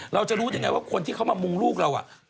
เราจะรู้ได้ไงว่าคนที่เขามามุงลูกเรา